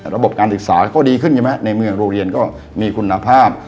ระบบการศึกษาก็ดีขึ้นใช่ไหมในเมืองโรงเรียนก็มีคุณภาพ